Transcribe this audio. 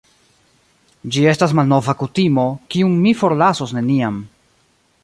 Ĝi estas malnova kutimo, kiun mi forlasos neniam.